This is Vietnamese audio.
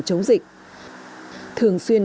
chống dịch thường xuyên